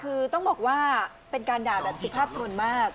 คือต้องบอกว่าเป็นการด่าแบบสุภาพชนมาก